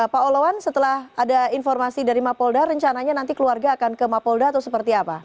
pak olawan setelah ada informasi dari mapolda rencananya nanti keluarga akan ke mapolda atau seperti apa